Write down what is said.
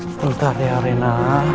sebentar ya rena